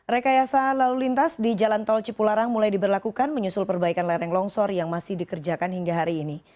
rekayasa lalu lintas di jalan tol cipularang mulai diberlakukan menyusul perbaikan lereng longsor yang masih dikerjakan hingga hari ini